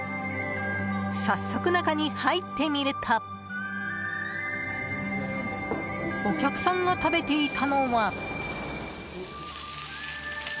早速、中に入ってみるとお客さんが食べていたのは。